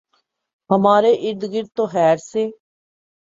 ہمارے اردگرد تو خیر سے